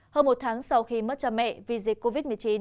hơn một tháng sau khi mất cha mẹ vì dịch covid một mươi chín